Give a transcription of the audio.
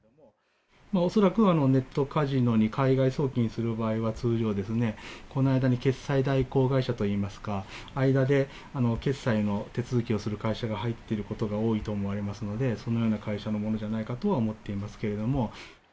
恐らくネットカジノに海外送金する場合は、通常、この間に決済代行会社といいますか、間で決済の手続きをする会社が入っていることが多いと思われますので、そのような会社のものじゃないかとは思っていますけれども。